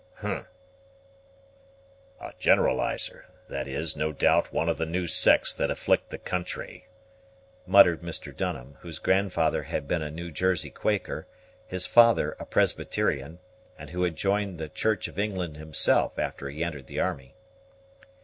"Hum! a generalizer; that is, no doubt, one of the new sects that afflict the country," muttered Mr. Dunham, whose grandfather had been a New Jersey Quaker, his father a Presbyterian, and who had joined the Church of England himself after he entered the army.